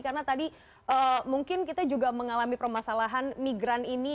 karena tadi mungkin kita juga mengalami permasalahan migranis